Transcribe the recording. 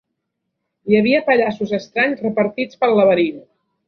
Hi havia pallassos estranys repartits pel laberint.